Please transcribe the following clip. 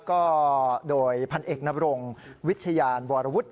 ก็โดยพันธุ์เอกนำรงค์วิทยาลบวารวุฒิ